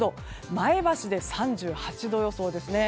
前橋で３８度予想ですね。